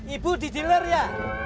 ibu di dealer ya